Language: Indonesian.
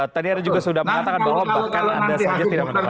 tadi anda juga sudah mengatakan bahwa bahkan anda saja tidak mendapatkan